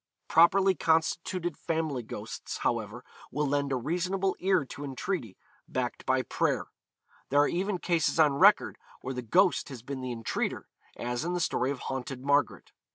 Properly constituted family ghosts, however, will lend a reasonable ear to entreaty, backed by prayer. There are even cases on record where the ghost has been the entreater, as in the story of Haunted Margaret.